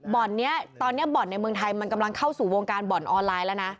บ่อนนี้ตอนนี้บ่อนในเมืองไทยมันกำลังเข้าสู่วงการบ่อนออนไลน์แล้วนะ